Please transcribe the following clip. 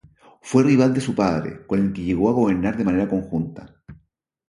Fue rival de su padre, con el que llegó a gobernar de manera conjunta.